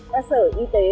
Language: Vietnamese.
và sở y tế